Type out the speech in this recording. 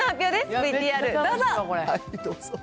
ＶＴＲどうぞ。